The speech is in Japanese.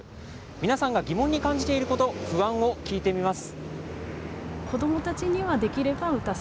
皆さんが疑問に感じていること、不安を聞いてみます。